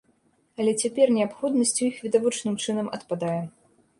Але цяпер неабходнасць у іх відавочным чынам адпадае.